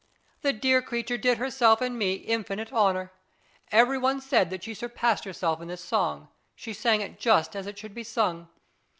The dear creature did herself and me infinite honour. Every one said that she surpassed herself in this song; she sang it just as it should be sung.